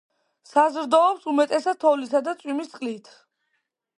საზრდოობს უმეტესად თოვლისა და წვიმის წყლით.